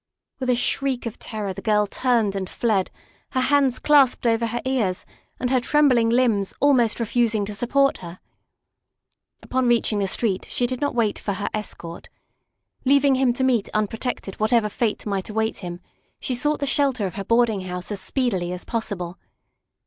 With a shriek of terror the girl turned and fled, her hands clasped over her ears and her trembling limbs almost refusing to support her. Upon reaching the street she did not wait for her escort. Leaving him to meet unprotected whatever fate might await him, she sought the shelter of her boarding house as speedily as possible.